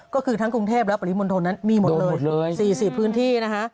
ก็คือทั้งกรุงเทพและปริมณฑลนั้นมีหมดเลย๔๐พื้นที่นะคะ